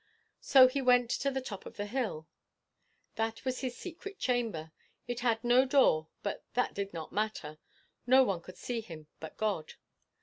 So he went to the top of the hill. That was his secret chamber. It had no door; but that did not matter no one could see him but God.